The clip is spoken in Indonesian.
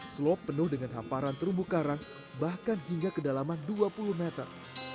selop penuh dengan hamparan terumbu karang bahkan hingga kedalaman dua puluh meter